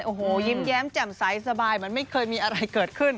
โอ้โหยิ้มแย้มแจ่มใสสบายเหมือนไม่เคยมีอะไรเกิดขึ้น